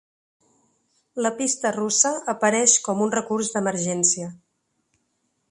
La pista russa apareix com un recurs d’emergència.